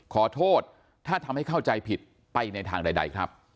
ขอโทษถ้าทำให้เข้าใจผิดไปในทางใดครับ